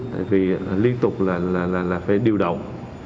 tại vì liên tục là phải điều động